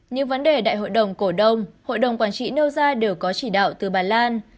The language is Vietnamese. nhưng vấn đề đại hội đồng cổ đông hội đồng quản trị nâu gia đều có chỉ đạo từ bài lan